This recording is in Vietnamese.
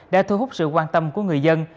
đã thu hút sự quan tâm của người dân